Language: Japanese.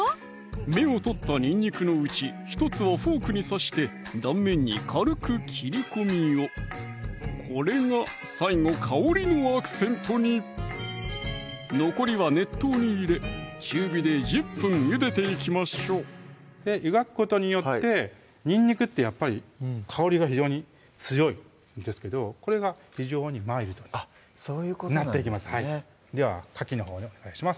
芽を取ったにんにくのうち１つをフォークに刺して断面に軽く切り込みをこれが最後香りのアクセントに残りは熱湯に入れ中火で１０分ゆでていきましょう湯がくことによってにんにくってやっぱり香りが非常に強いんですけどこれが非常にマイルドにあっそういうことなんですねではかきのほうお願いします